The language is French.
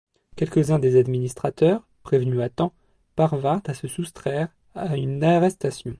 Quelques-uns des administrateurs, prévenus à temps, parvinrent à se soustraire à une arrestation.